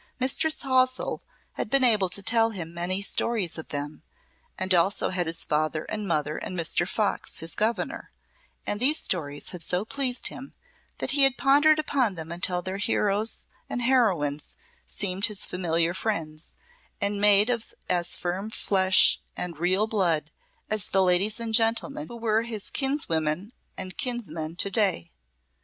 Mistress Halsell had been able to tell him many stories of them, as also had his father and mother and Mr. Fox, his governour, and these stories had so pleased him that he had pondered upon them until their heroes and heroines seemed his familiar friends, and made of as firm flesh and real blood as the ladies and gentlemen who were his kinswomen and kinsmen to day.